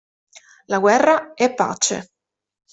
La guerra è pace.